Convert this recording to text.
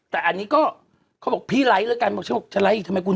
แต่อันนี้ก็เขาบอกพี่ไลค์แล้วกันบอกฉันบอกจะไลค์อีกทำไมคุณ